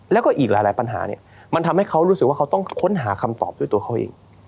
แล้วก็อีกหลายปัญหาเนี่ยมันทำให้เขารู้สึกว่าเขาต้องค้นหาคำตอบด้วยตัวเขาเอง